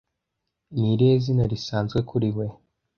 Ni irihe zina risanzwe kuri we